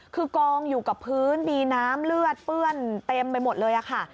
คือกองอยู่กับพื้นมีน้ำเลือดเปื้อนเต็มไปหมดเลยค่ะ